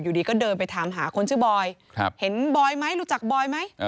อยู่ดีก็เดินไปถามหาคนชื่อบอยเห็นบอยไหมรู้จักบอยไหม